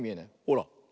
ほら。